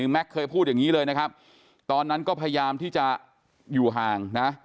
เคยพูดอย่างนี้เลยนะครับตอนนั้นก็พยายามที่จะอยู่ห่างนะ